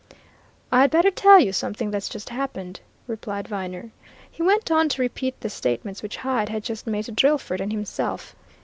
"I had better tell you something that's just happened," replied Viner. He went on to repeat the statements which Hyde had just made to Drillford and himself.